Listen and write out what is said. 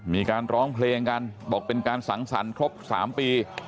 มีการร้องเพลงกันบอกเป็นการสังสรรคครบ๓ปี